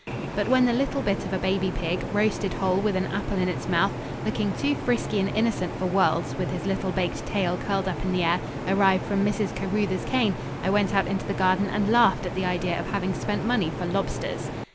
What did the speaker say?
But when the little bit of a baby pig, roasted whole with an apple in its mouth, looking too frisky and innocent for worlds with his little baked tail curled up in the air, arrived from Mrs. Caruthers Cain, I went out into the garden and laughed at the idea of having spent money for lobsters.